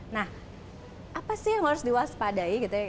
nah apa sih yang harus diwaspadai gitu ya